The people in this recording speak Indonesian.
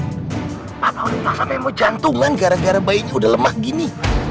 papa udah langsung memu jantungan gara gara bayinya udah lemah gini